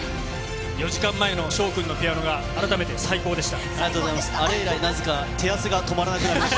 ４時間前の翔君のピアノが改めて最高でした。